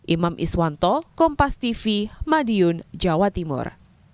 imam iswanto kompas tv madiun jawa timur